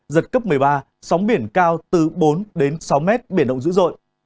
giật cấp một mươi ba sóng biển cao từ bốn đến sáu mét biển động dữ dội